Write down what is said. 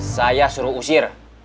saya suruh usir